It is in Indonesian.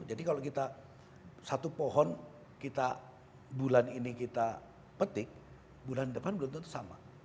jadi kalau kita satu pohon kita bulan ini kita petik bulan depan bulan itu sama